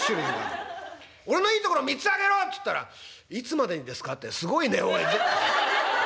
「俺のいいところ３つ挙げろ」っつったら「いつまでにですか？」ってすごいねおい。